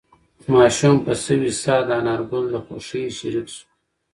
ماشوم په سوې ساه د انارګل د خوښۍ شریک شو.